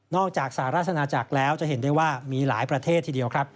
จากสหราชนาจักรแล้วจะเห็นได้ว่ามีหลายประเทศทีเดียวครับ